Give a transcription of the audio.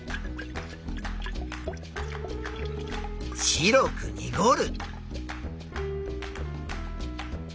白くにごる。